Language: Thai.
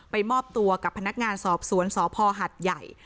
มอบตัวกับพนักงานสอบสวนสพหัดใหญ่